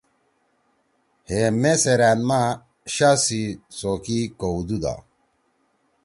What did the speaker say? ہے مے سیرأن ما شا سی څوگی کؤدُودا۔